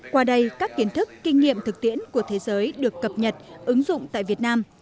qua đây các kiến thức kinh nghiệm thực tiễn của thế giới được cập nhật ứng dụng tại việt nam